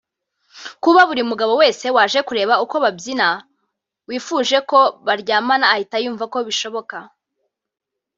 Kuba buri mugabo wese waje kureba uko babyina wifuje ko baryamana ahita yumva ko bishoboka;